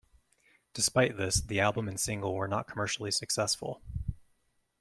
Despite this, the album and single were not commercially successful.